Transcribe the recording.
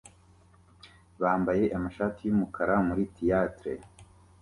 bambaye amashati yumukara muri theatre